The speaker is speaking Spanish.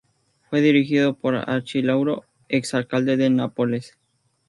Fue dirigido por Achille Lauro, ex-alcalde de Nápoles.